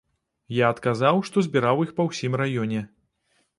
Я адказаў, што збіраў іх па ўсім раёне.